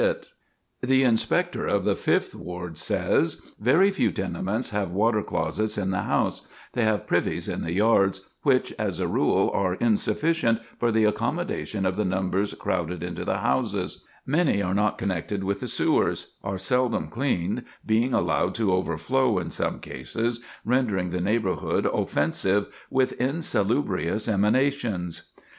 [Illustration: PLAN OF CELLAR] The Inspector of the Fifth Ward says: "Very few tenements have water closets in the house; they have privies in the yards, which, as a rule, are insufficient for the accommodation of the numbers crowded into the houses; many are not connected with the sewers; are seldom cleaned, being allowed to overflow in some cases, rendering the neighborhood offensive with insalubrious emanations."